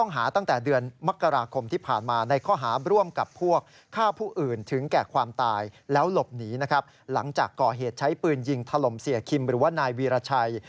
หลังจากก่อเหตุใช้ปืนยิงถล่มเสียคิมหรือว่านายวีรชัย